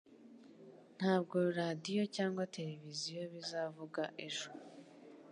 Ntabwo radio cyangwa television bizavuga ejo